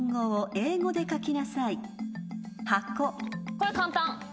これ簡単。